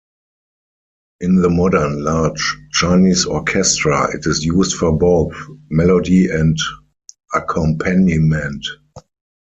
In the modern large Chinese orchestra, it is used for both melody and accompaniment.